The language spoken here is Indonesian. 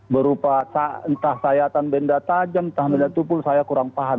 berupa entah sayatan benda tajam entah benda tumpul saya kurang paham